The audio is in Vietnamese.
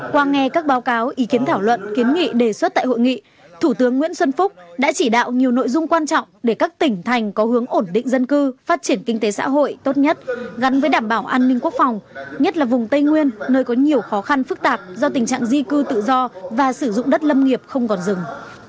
qua nghe các báo cáo ý kiến thảo luận kiến nghị đề xuất tại hội nghị thủ tướng nguyễn xuân phúc đã chỉ đạo nhiều nội dung quan trọng để các tỉnh thành có hướng ổn định dân cư phát triển kinh tế xã hội tốt nhất gắn với đảm bảo an ninh quốc phòng nhất là vùng tây nguyên nơi có nhiều khó khăn phức tạp do tình trạng di cư tự do và sử dụng đất lâm nghiệp không còn rừng